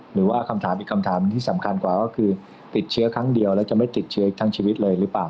หรือว่าคำถามอีกคำถามที่สำคัญกว่าก็คือติดเชื้อครั้งเดียวแล้วจะไม่ติดเชื้ออีกทั้งชีวิตเลยหรือเปล่า